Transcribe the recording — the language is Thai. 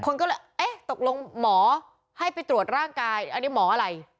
คนก็เลยเอ๊ะตกลงหมอให้ไปตรวจร่างกายอันนี้หมออะไร